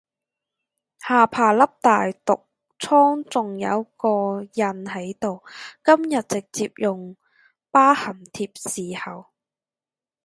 下巴粒大毒瘡仲有個印喺度，今日直接用疤痕貼侍候